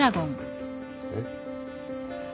えっ？